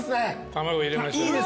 卵入れました。